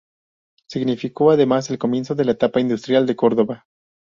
Significó además el comienzo de la etapa industrial de Córdoba.